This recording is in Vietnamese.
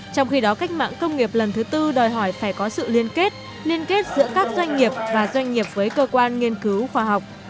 trong khi đó cách mạng công nghiệp lần thứ tư đòi hỏi phải có sự liên kết liên kết giữa các doanh nghiệp và doanh nghiệp với cơ quan nghiên cứu khoa học